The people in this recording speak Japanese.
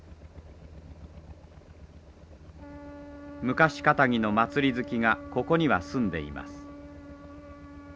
昔かたぎの祭り好きがここには住んでいます。